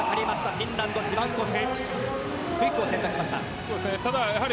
フィンランドジバンコフ。